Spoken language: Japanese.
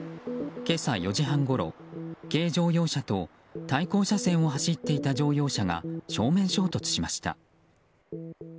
今朝４時半ごろ軽乗用車と対向車線を走っていた乗用車が正面衝突しました。